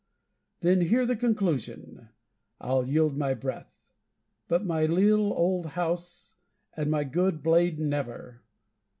Then hear the conclusion: I'll yield my breath, But my leal old house and my good blade never!